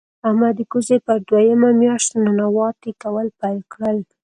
احمد د کوزې پر دویمه مياشت ننواته کول پیل کړل.